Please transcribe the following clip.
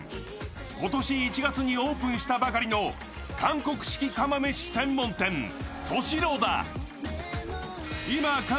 今年１月にオープンしたばかりの韓国式釜めし専門店ソシロダ。